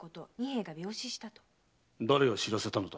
誰が知らせたのだ？